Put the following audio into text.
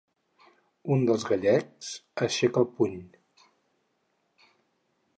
Un dels gallecs aixeca el puny.